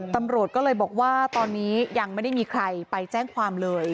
ตำรวจก็เลยบอกว่าตอนนี้ยังไม่ได้มีใครไปแจ้งความเลย